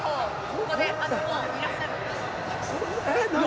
ここでもういらっしゃるんで。